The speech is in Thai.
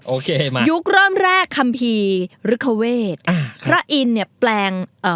โอเคมายุคเริ่มแรกคัมภีร์ฤคเวทอ่าพระอินทร์เนี่ยแปลงเอ่อ